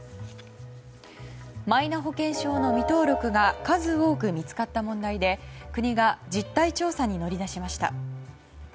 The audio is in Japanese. マイナ保険証の未登録が数多く見つかった問題で国が実態調査に乗り出しました。